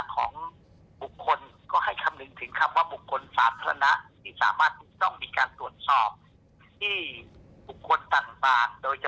ก็จะสุดท้อนไปถึงความมั่นใจต่อสังเกตุภาพของรัฐบาลด้วย